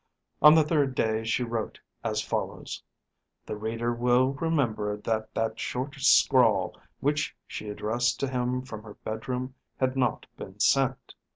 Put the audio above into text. On the third day she wrote as follows. The reader will remember that that short scrawl which she addressed to him from her bedroom had not been sent.